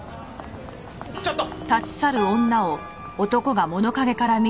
ちょっと！